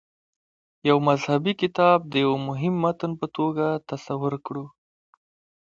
یو مذهبي کتاب د یوه مبهم متن په توګه تصور کړو.